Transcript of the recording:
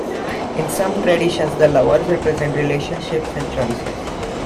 In some traditions, the Lovers represent relationships and choices.